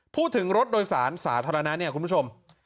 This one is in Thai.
รถโดยสารสาธารณะเนี่ยคุณผู้ชม